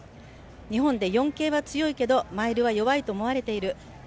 日本で４継は強いけどマイルは弱いと思われている。